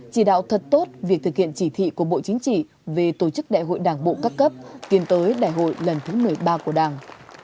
chỉ đạo thật tốt việc thực hiện chỉ thị của bộ chính trị về tổ chức đại hội đảng bộ các cấp tiến tới đại hội lần thứ một mươi ba của đảng